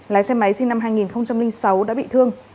lái xe máy sinh năm hai nghìn sáu đã bị thương